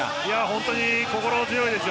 本当に心強いです。